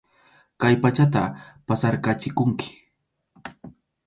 Kay pachata pasarqachikunki.